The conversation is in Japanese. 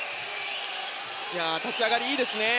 立ち上がり、いいですね。